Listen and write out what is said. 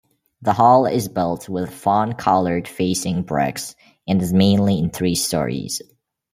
The hall is built with fawn-coloured facing bricks, and is mainly in three storeys.